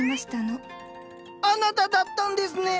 あなただったんですね！